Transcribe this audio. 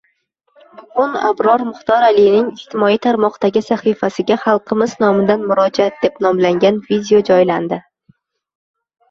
Bugun Abror Muxtor Aliyning ijtimoiy tarmoqdagi sahifasiga “Xalqimiz nomidan murojaat” deb nomlangan video joylandi.